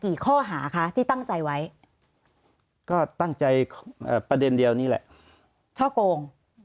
ข้อหาคะที่ตั้งใจไว้ก็ตั้งใจประเด็นเดียวนี่แหละช่อโกง